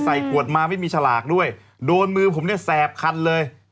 ใส่กวดมาไม่มีฉลากด้วยโดนมือผมแสบคันเลย